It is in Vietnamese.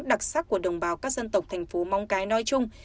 đặc sắc của đồng bào các dân tộc thành phố móng cái nói chung